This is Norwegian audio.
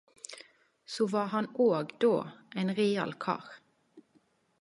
Så var han då òg ein real kar.